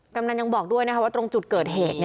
กำนันยังบอกด้วยว่าตรงจุดเกิดเหตุ